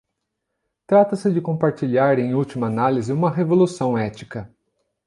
Trata-se de compartilhar, em última análise, uma revolução ética.